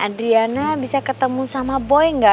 adriana bisa ketemu sama boy nggak